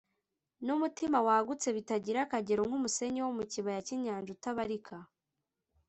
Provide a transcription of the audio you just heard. n’umutima wagutse, bitagira akagero nk’umusenyi wo mu kibaya cy’inyanja utabarika